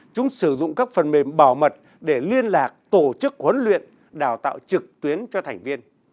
chúng sử dụng các phần mềm bảo mật để liên lạc tổ chức huấn luyện đào tạo trực tuyến cho thành viên